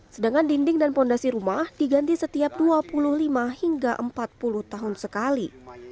sedangkan dinding dan fondasi rumah diganti setiap dua puluh lima hingga empat puluh tahun sekali